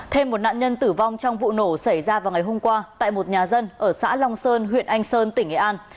thêm một nạn nhân tử vong trong vụ nổ xảy ra vào ngày hôm qua tại một nhà dân ở xã long sơn huyện anh sơn tỉnh nghệ an